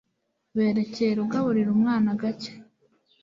berekere ugaburira umwana gake